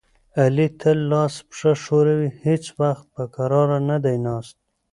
علي تل لاس پښه ښوروي، هېڅ وخت په کرار نه دی ناست.